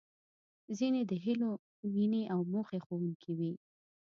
ځينې د هیلو، مينې او موخې ښودونکې وې.